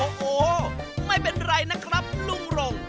โอ้โหไม่เป็นไรนะครับลุงรง